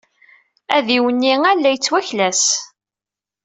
Adiwenni-a la d-yettwaklas.